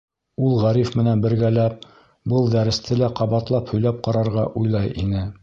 Ул Ғариф менән бергәләп был дәресте лә ҡабатлап һөйләп ҡарарға уйлай ине.